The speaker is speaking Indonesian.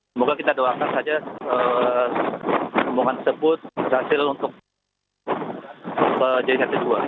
semoga kita doakan saja rombongan tersebut berhasil untuk menjadi dua